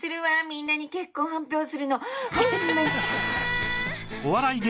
みんなに結婚発表するの。